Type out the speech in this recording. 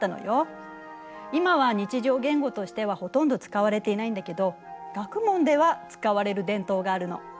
今は日常言語としてはほとんど使われていないんだけど学問では使われる伝統があるの。